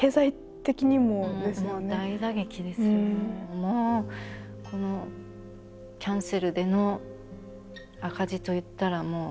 もうこのキャンセルでの赤字といったらもう。